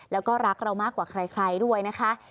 แล้วก็รักเรามากกว่าใครด้วยนะคะ